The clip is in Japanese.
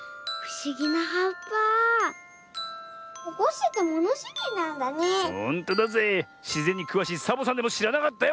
しぜんにくわしいサボさんでもしらなかったよ